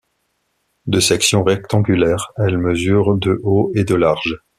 De section rectangulaire, elle mesure de haut et de large.